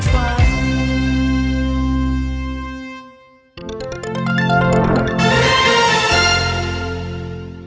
โปรดติดตามตอนต่อไป